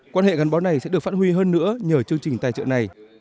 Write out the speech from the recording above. quan hệ gắn bó này sẽ được phát huy hơn nữa nhờ chương trình tài trợ này